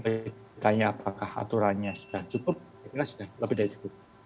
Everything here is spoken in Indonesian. jadi kalau kita bertanya apakah aturannya sudah cukup saya kira sudah lebih dari cukup